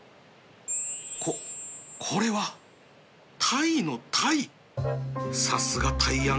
こっこれはタイのタイ